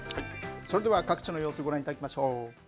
それでは各地の様子ご覧いただきましょう。